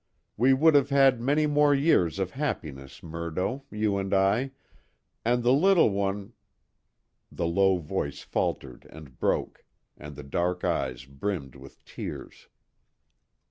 We would have had many more years of happiness, Murdo you and I and the little one " The low voice faltered and broke, and the dark eyes brimmed with tears.